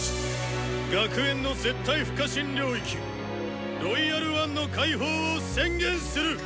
学園の絶対不可侵領域「ロイヤル・ワン」の開放を宣言する！